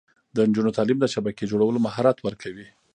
د نجونو تعلیم د شبکې جوړولو مهارت ورکوي.